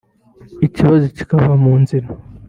ikibazo kikava mu nzira